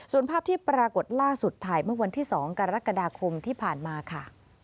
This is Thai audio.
ส่วนภาพที่ปรากฏล่าสุดถ่ายเมื่อวันที่๒กรกฎาคมที่ผ่านมาค่ะ